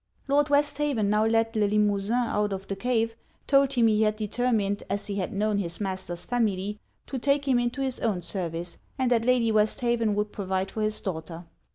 Lord Westhaven now led Le Limosin out of the cave; told him he had determined, as he had known his master's family, to take him into his own service, and that Lady Westhaven would provide for his daughter.